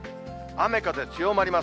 雨風強まります。